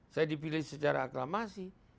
saya dipilih secara aklamasi